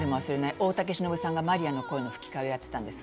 大竹しのぶさんがマリアの声の吹き替えをやってたんです